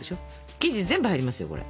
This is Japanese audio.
生地全部入りますよこれ。